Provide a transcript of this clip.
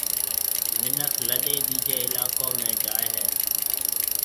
منک لڏَي ٻيجيَ علائقون ۾ جائيَ ھيََََ